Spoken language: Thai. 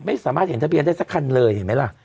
ไม่สามารถเห็นทะเบียนได้สักคันเลยเห็นไหมล่ะ